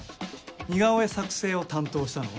似顔絵作成を担当したのは？